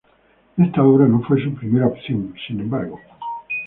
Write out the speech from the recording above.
Esta obra no fue su primera opción sin embargo.